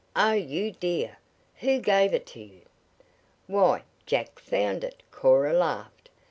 Oh, you dear! Who gave it to you?" "Why Jack found it," Cora laughed.